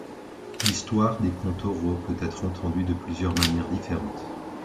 L'histoire des contes oraux peut être entendue de plusieurs manières différentes.